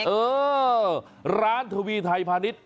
เออร้านทวีไทยพาณิชย